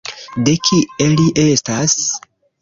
De kie li estas?